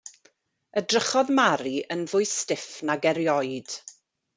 Edrychodd Mary yn fwy stiff nag erioed.